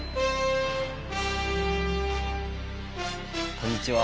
こんにちは。